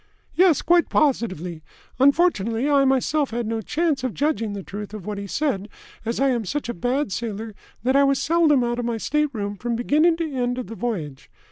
"Yes. Quite positively. Unfortunately I myself had no chance of judging the truth of what he said, as I am such a bad sailor that I was seldom out of my stateroom from beginning to end of the voyage.